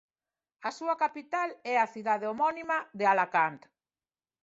A súa capital é a cidade homónima de Alacant.